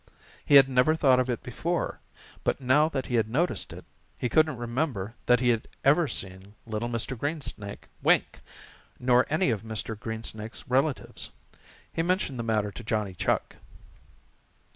He had never thought of it before, but now that he had noticed it, he couldn't remember that he ever had seen little Mr. Greensnake wink, nor any of Mr. Greensnake's relatives. He mentioned the matter to Johnny Chuck.